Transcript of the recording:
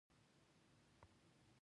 د انارو صادرات د اقتصاد لپاره مهم دي